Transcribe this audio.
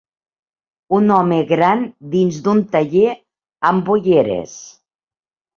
Un home gran dins d'un taller amb ulleres.